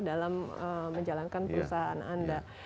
dalam menjalankan perusahaan anda